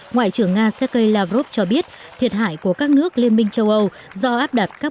ngoại trưởng nga sergei lavrov cho biết thiệt hại của các nước liên minh châu âu do áp đặt các